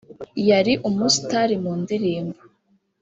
yari umusitari mu ndirimbo